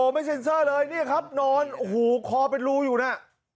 ไม่สเซ็นเซอร์นอนหูคอเป็นรูอยู่น่ะ